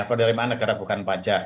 penerimaan negara bukan pajak